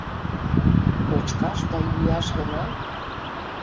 Кочкаш да йӱаш гына?